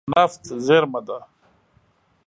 نفت زیرمه ده.